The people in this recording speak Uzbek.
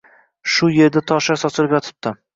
Su yerda toshlar sochilib yotibdi.